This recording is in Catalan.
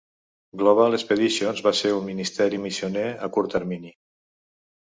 Global Expeditions va ser un ministeri missioner a curt termini.